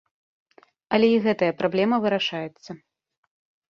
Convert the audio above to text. Але і гэтая праблема вырашаецца.